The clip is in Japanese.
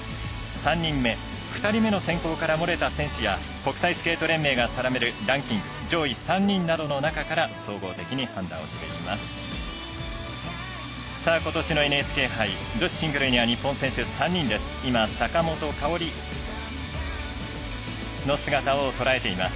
３人目、２人目の選考からもれた選手や国際スケート連盟が定めるランキング上位３人の中から総合的に判断していきます。